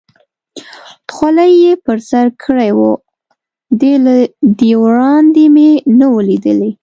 خولۍ یې پر سر کړې وه، دی له دې وړاندې مې نه و لیدلی.